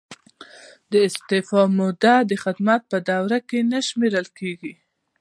د استعفا موده د خدمت په دوره کې نه شمیرل کیږي.